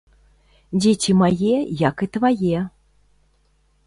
Дзеці мае, як і твае.